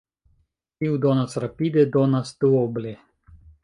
Kiu donas rapide, donas duoble.